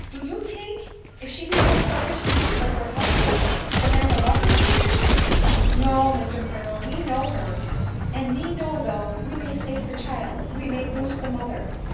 — Do you tink, if she be one selfish beast like her husban, Savanna love her so dear ? No, Mr Colonel, me know her, and me know though we may save the child we may lose the mother."